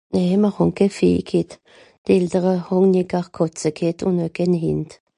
nää mr hàn keh Fee g'hett d'Eltere hàn nìt gar Kàtze g'hett ùn eu kehn Hìnd